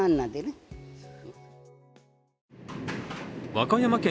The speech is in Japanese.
和歌山県